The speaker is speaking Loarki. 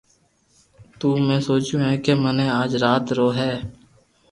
تو ۾ سوچيو ڪي مني آج رات رو ھي